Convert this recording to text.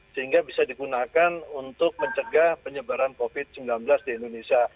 sehingga bisa digunakan untuk mencegah penyebaran covid sembilan belas di indonesia